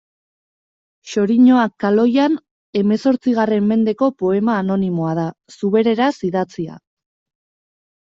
Xoriñoak kaloian hemezortzigarren mendeko poema anonimoa da, zubereraz idatzia.